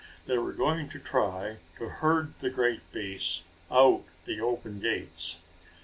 They were going to try to herd the great beasts out the open gates.